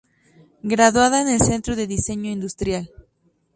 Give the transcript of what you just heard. Graduada en el Centro de Diseño Industrial.